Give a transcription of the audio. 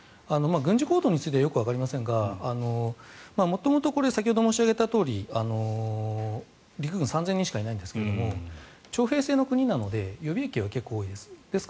軍事行動についてはよくわかりませんが元々、これは先ほども申し上げたとおり陸軍３０００人しかいないんですが徴兵制の国なので予備役は多いです。